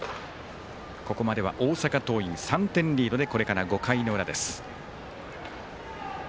ここまでは大阪桐蔭３点リードでこれから５回の裏です。